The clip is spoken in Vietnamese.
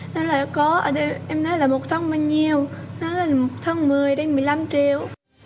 nó là có em nói là một tháng bao nhiêu nó là một tháng một mươi đây một mươi năm triệu